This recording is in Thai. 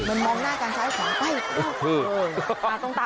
มันมองหน้ากลางช้าให้ขวางไป